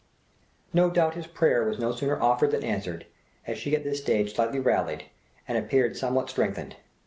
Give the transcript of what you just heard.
No doubt his prayer was no sooner offered than answered, as she at this stage slightly rallied, and appeared somewhat strengthened.